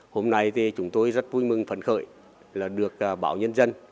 hôm nay thì chúng tôi rất vui mừng phấn khởi là được báo nhân dân